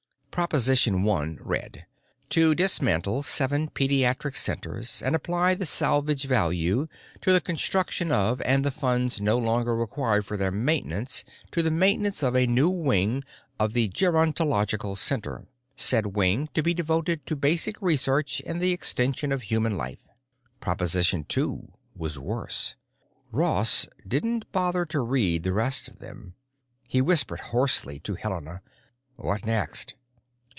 Proposition One read: "To dismantle seven pediatric centers and apply the salvage value to the construction of, and the funds no longer required for their maintenance to the maintenance of, a new wing of the Gerontological Center, said wing to be devoted to basic research in the extension of human life." Proposition Two was worse. Ross didn't bother to read the rest of them. He whispered hoarsely to Helena, "What next?"